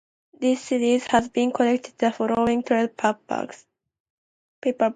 This series has been collected in the following trade paperbacks.